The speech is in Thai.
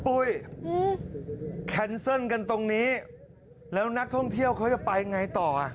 แคนเซิลกันตรงนี้แล้วนักท่องเที่ยวเขาจะไปไงต่ออ่ะ